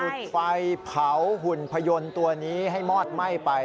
จุดไฟเผาหุ่นพยนต์ตัวนี้ให้มอดไหม้ไป